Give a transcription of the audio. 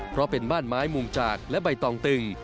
เพราะเป็นบ้านไม้มุมจากและใบตองตึง